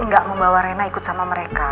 gak membawa rena ikut sama mereka